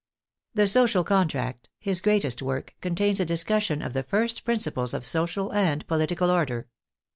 The Social Contract, his greatest work, contains a discussion of the first principles of social and political order.